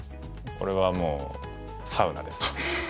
それはもうサウナです。